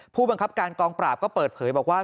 ผู้บังคับการกองปราบก็เปิดเผยบอกว่า